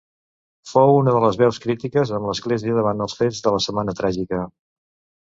Fou una de les veus crítiques amb l'Església davant els fets de la Setmana Tràgica.